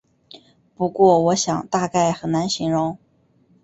不过我想大概很难形容